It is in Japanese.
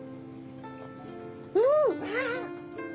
うん！